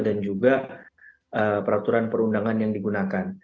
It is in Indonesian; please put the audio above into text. dan juga peraturan perundangan yang digunakan